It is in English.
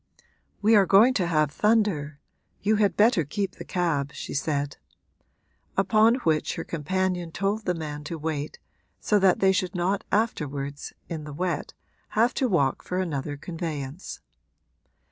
'We are going to have thunder; you had better keep the cab,' she said; upon which her companion told the man to wait, so that they should not afterwards, in the wet, have to walk for another conveyance.